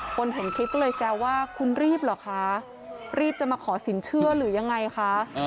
คนเห็นคลิปก็เลยแซวว่าคุณรีบเหรอคะรีบจะมาขอสินเชื่อหรือยังไงคะ